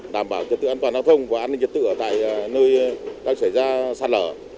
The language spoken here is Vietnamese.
đảm bảo trật tự an toàn giao thông và an ninh trật tự tại nơi đang xảy ra sạt lở